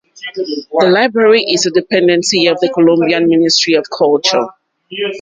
The library is a dependency of the Colombian Ministry of Culture.